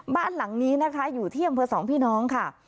บ้านหลังนี้นะคะอยู่ที่อำเภอสองพี่น้องค่ะ